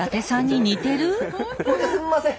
何かすんません！